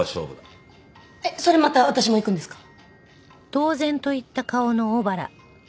えっそれまた私も行くんですか？